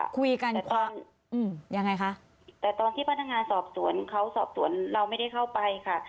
คุยกันความยังไงคะแต่ตอนที่พนักงานสอบสวนเขาสอบสวนเราไม่ได้เข้าไปค่ะ